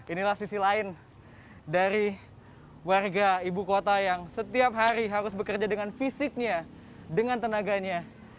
inilah sisi lain dari warga ibu kota yang setiap hari harus bekerja dengan fisiknya dengan tenaganya